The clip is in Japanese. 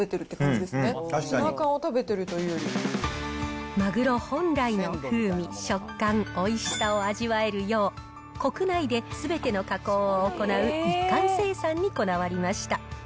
ツナ缶を食べてるというよりマグロ本来の風味、食感、おいしさを味わえるよう、国内ですべての加工を行う一貫生産にこだわりました。